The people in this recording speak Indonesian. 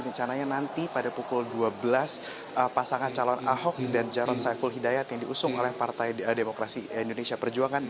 rencananya nanti pada pukul dua belas pasangan calon ahok dan jarod saiful hidayat yang diusung oleh partai demokrasi indonesia perjuangan